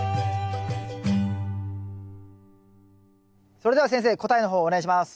それでは先生答えの方お願いします。